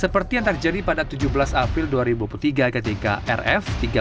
seperti yang terjadi pada tujuh belas april dua ribu tiga ketika rf